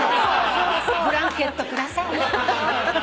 ブランケット下さいな。